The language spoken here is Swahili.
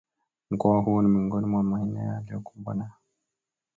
Mkoa huo ni miongoni mwa maeneo yaliyokumbwa na